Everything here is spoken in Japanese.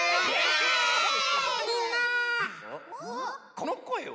このこえは？